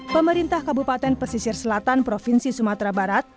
pemerintah kabupaten pesisir selatan provinsi sumatera barat